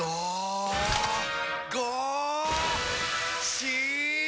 し！